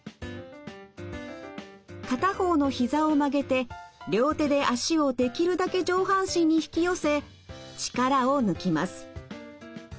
片方のひざを曲げて両手で脚をできるだけ上半身に引き寄せ力を抜きます。